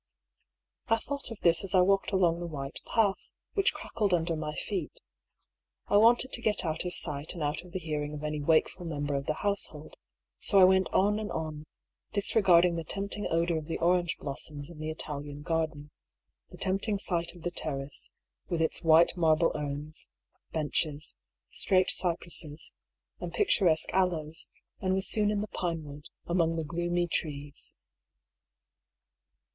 I thought of this as I walked along the white path, which crackled under my feet. I wanted to get out of sight and out of the hearing of any wakeful member of the household, so I went on and on, disregarding the tempting odour of the orange blossoms in the Italian garden, the tempting sight of the terrace, with its white marble urns, benches, straight cypresses, and picturesque aloes, and was soon in the pinewood, among the gloomy trees.